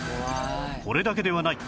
これだけではない！